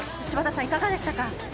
柴田さん、いかがでしたか？